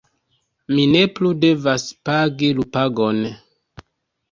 mi ne plu devas pagi lupagon.